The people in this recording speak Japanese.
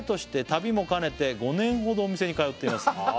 「旅も兼ねて５年ほどお店に通っています」